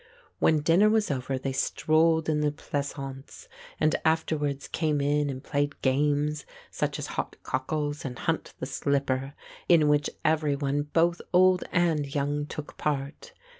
When dinner was over they strolled in the pleasaunce and afterwards came in and played games such as hot cockles, and hunt the slipper, in which every one, both old and young, took part.